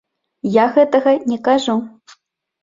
Я гэтага не кажу.